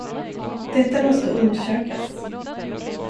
Detta måste undersökas!